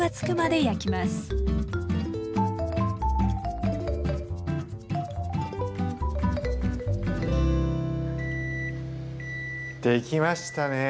できましたね。